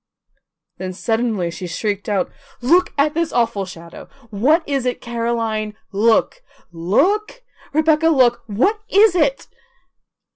Then suddenly she shrieked out: "Look at this awful shadow! What is it? Caroline, look, look! Rebecca, look! WHAT IS IT?"